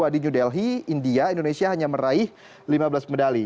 seribu sembilan ratus delapan puluh dua di new delhi india indonesia hanya meraih lima belas medali